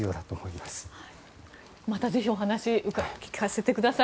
またぜひお話聞かせてください。